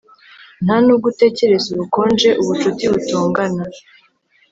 Ntanubwo utekereza ubukonje ubucuti butongana